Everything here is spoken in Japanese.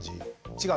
違う？